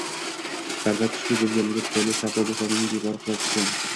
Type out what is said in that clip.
Zarba kuchli bo‘lgani tufayli savdo do‘konining devori qulab tushgan